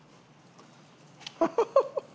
ハハハハ！